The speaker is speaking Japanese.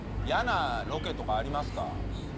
嫌なロケとかありますか？